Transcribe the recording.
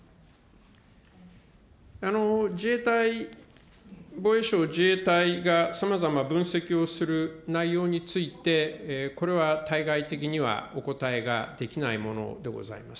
自衛隊、防衛省・自衛隊がさまざま分析をする内容について、これは対外的にはお答えができないものでございます。